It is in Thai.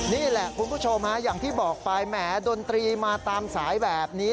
นี่แหละคุณผู้ชมฮะอย่างที่บอกไปแหมดนตรีมาตามสายแบบนี้